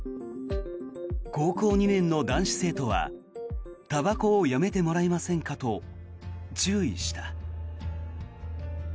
高校２年の男子生徒はたばこをやめてもらえませんかと注意した。